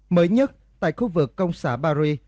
mới nhất tại khu vực công xã paris